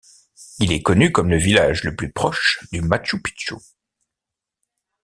Il est connu comme le village le plus proche du Machu Picchu.